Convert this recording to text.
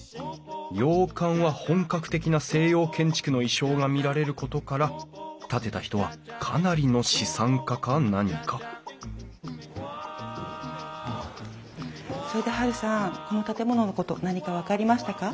洋館は本格的な西洋建築の意匠が見られることから建てた人はかなりの資産家か何かそれでハルさんこの建物のこと何か分かりましたか？